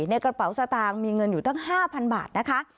ในกระเป๋าสตางค์มีเงินอยู่ตั้ง๕๐๐บาทนะคะ